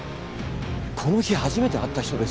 この日初めて会った人です。